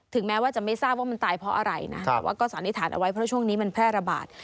แม้ว่าจะไม่ทราบว่ามันตายเพราะอะไรนะแต่ว่าก็สันนิษฐานเอาไว้เพราะช่วงนี้มันแพร่ระบาด